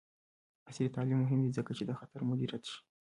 عصري تعلیم مهم دی ځکه چې د خطر مدیریت ښيي.